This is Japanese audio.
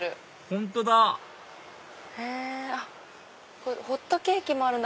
本当だホットケーキもあるんだ。